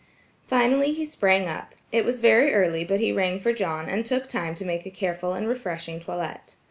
Finally he sprang up. It was very early but he rang for John, and took time to make a careful and refreshing toilet.